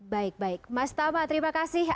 baik baik mas tama terima kasih